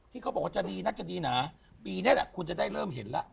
เขาบอกว่าจะดีนักจะดีหนาปีนี้แหละคุณจะได้เริ่มเห็นแล้ว